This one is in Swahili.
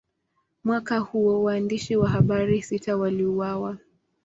Mwaka huo, waandishi wa habari sita waliuawa.